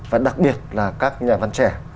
và đặc biệt là các nhà văn trẻ